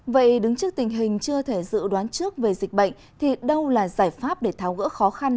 vậy đứng trước tình hình chưa thể dự đoán trước về dịch bệnh thì đâu là giải pháp để tháo gỡ khó khăn